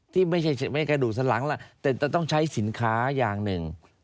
ที่ไม่ใช่กระดูกสันหลังแต่เราต้องใช้สินค้าอย่างหนึ่ง